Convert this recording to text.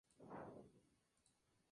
Dedicado a Ascanio Sforza.